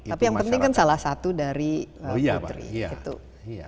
tapi yang penting kan salah satu dari putri